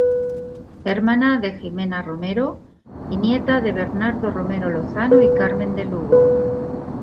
Hermana de Jimena Romero y nieta de Bernardo Romero Lozano y Carmen de Lugo.